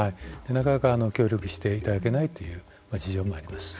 なかなか協力していただけないという事情もあります。